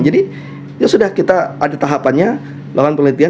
jadi ya sudah kita ada tahapannya